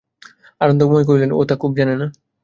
আনন্দময়ী কহিলেন, তা ও খুব জানে মা!